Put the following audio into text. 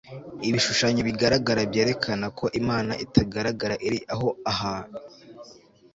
ibishushanyo bigaragara byerekena ko Imana itagaragara iri aho hantu